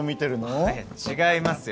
いや違いますよ